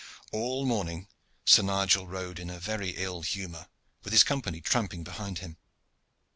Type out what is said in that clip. All morning Sir Nigel rode in a very ill humor, with his Company tramping behind him.